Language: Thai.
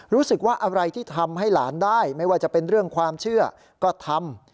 รู้สึกว่าอะไรที่ทำให้หลานได้ไม่ว่าจะเป็นเรื่องความเชื่อก็ทำ